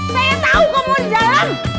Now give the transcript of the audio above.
saya tahu kamu di dalam